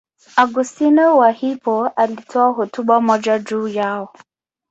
Augustino wa Hippo alitoa hotuba moja juu yao.